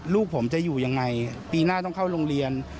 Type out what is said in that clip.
ลูกผมจะอยู่ยังไงปีหน้าต้องเข้าโรงเรียน